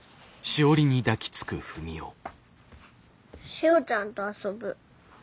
しおちゃんと遊ぶ。